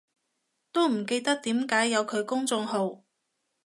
都唔記得點解有佢公眾號